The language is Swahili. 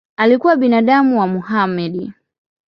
Alikuwa binamu wa Mohamed.